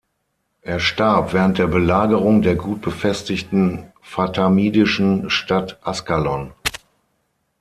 Er starb während der Belagerung der gut befestigten fatimidischen Stadt Askalon.